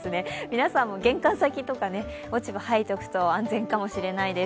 皆さんも玄関先とか落ち葉を掃いておくと安全かもしれないです。